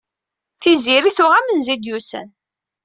Tiziri tuɣ amenzu i d-yusan.